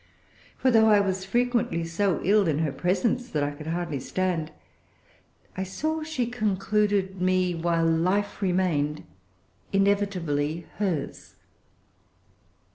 For though I was frequently so ill in her presence that I could hardly stand, I saw she concluded me, while life remained, inevitably hers."